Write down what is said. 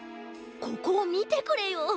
ここをみてくれよ。